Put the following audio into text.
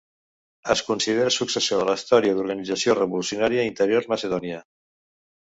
Es considera successor de la històrica Organització Revolucionària Interior Macedònia.